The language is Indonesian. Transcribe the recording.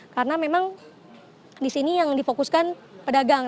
karena memang di sini yang di fokuskan pedagang